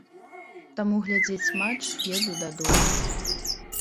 Таму глядзець матч еду дадому.